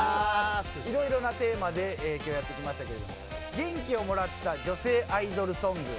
色々なテーマで今日やってきましたけれども元気をもらった女性アイドルソング。